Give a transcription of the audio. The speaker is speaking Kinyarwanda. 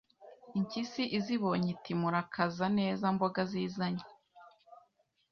Impyisi izibonye iti murakaza neza mboga zizanye